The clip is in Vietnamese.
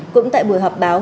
cũng tại buổi họp báo